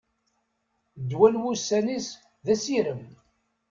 Ddwa n wussan-is d asirem.